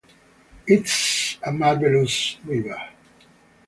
It is a marvelous river.